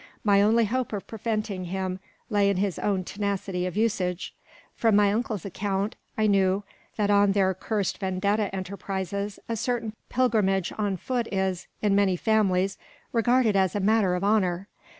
My only hope of preventing him lay in his own tenacity of usage. From my Uncle's account, I knew, that on their cursed Vendetta enterprises, a certain pilgrimage on foot is, in many families, regarded as a matter of honour.